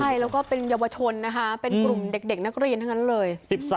ใช่แล้วก็เป็นเยาวชนนะคะเป็นกลุ่มเด็กนักเรียนทั้งนั้นเลย